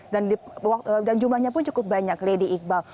dan jumlahnya pun cukup banyak lady iqbal